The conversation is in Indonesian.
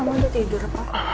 mama udah tidur apa